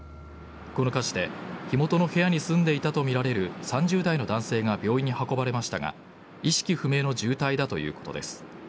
この火事で、火元の部屋に住んでいたと見られる３０代の男性が病院に運ばれましたが、意識不明の重体だということです。